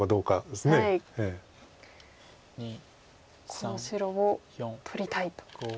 この白を取りたいと。